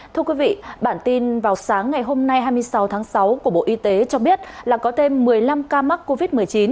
thưa quý vị bản tin vào sáng ngày hôm nay hai mươi sáu tháng sáu của bộ y tế cho biết là có thêm một mươi năm ca mắc covid một mươi chín